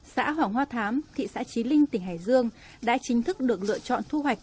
xã hoàng hoa thám thị xã trí linh tỉnh hải dương đã chính thức được lựa chọn thu hoạch